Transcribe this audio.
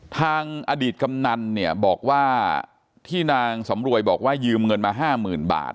ทางอดีตกำนันเนี่ยบอกว่าที่นางสำรวยบอกว่ายืมเงินมา๕๐๐๐บาท